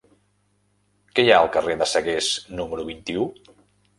Què hi ha al carrer de Sagués número vint-i-u?